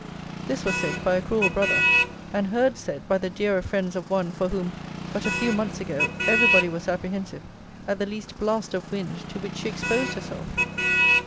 This was said by a cruel brother, and heard said by the dearer friends of one, for whom, but a few months ago, every body was apprehensive at the least blast of wind to which she exposed herself!